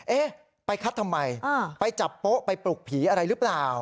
เอ๊ะไปคัดทำไมไปจับโป๊ะไปปลุกผีอะไรหรือเปล่า